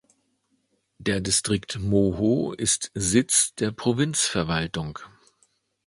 Der Distrikt Moho ist Sitz der Provinzverwaltung.